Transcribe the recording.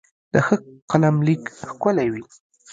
د ښه قلم لیک ښکلی وي.